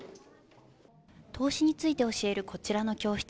投資について教えるこちらの教室。